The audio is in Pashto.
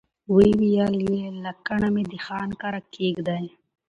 وويل يې لکڼه مې د خان کړه کېږدئ.